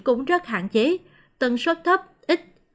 cũng rất hạn chế tần suất thấp ít